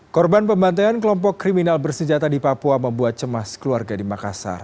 korban pembantaian kelompok kriminal bersenjata di papua membuat cemas keluarga di makassar